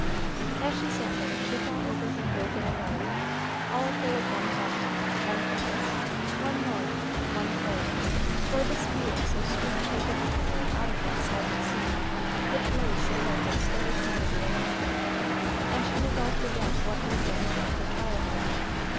As she sat there, she thought over her whole little life, all full of one thought, one purpose, one love, one prayer, for this being so strangely given to her out of that silent sea, which lay so like a still eternity around her, and she revolved again what meant the vision of her childhood.